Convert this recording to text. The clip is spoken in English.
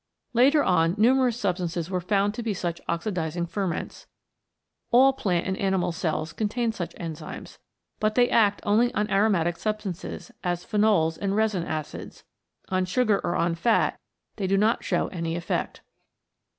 Later on numerous substances were found to be such oxidising ferments. All plant and animal cells contain such enzymes. But they act only on aromatic substances, as phenols and resin acids ; on sugar or on fat they do not show any effect.